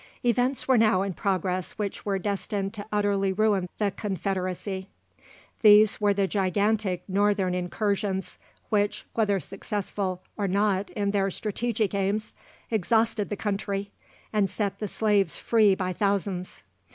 Events were now in progress which were destined to utterly ruin the Confederacy. These were the gigantic Northern incursions, which, whether successful or not in their strategic aims, exhausted the country, and set the slaves free by thousands.